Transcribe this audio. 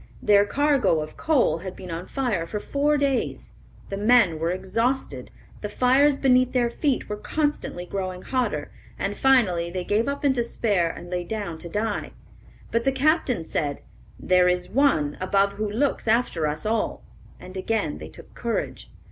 Their cargo of coal had been on fire for four days. The men were exhausted, the fires beneath their feet were constantly growing hotter, and finally they gave up in despair and lay down to die. But the captain said, "There is One above who looks after us all," and again they took courage.